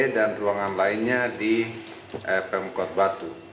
dan ruangan lainnya di pemkot batu